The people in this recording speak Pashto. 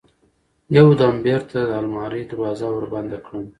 يو دم بېرته د المارى دروازه وربنده کړم.